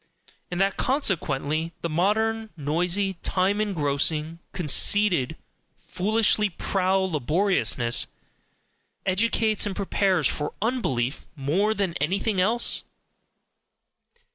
And that consequently the modern, noisy, time engrossing, conceited, foolishly proud laboriousness educates and prepares for "unbelief" more than anything else?